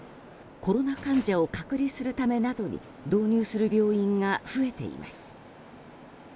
コロナ患者を隔離するためなどに導入する病院が増えています。